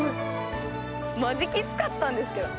マジきつかったんですけど。